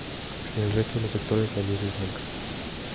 En el resto de sectores la luz es blanca.